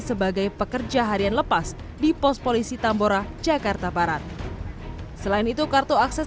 sebagai pekerja harian lepas di pos polisi tambora jakarta barat selain itu kartu akses